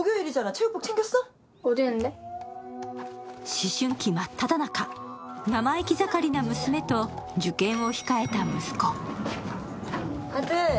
思春期真っただ中、生意気盛りな娘と受験を控えた息子。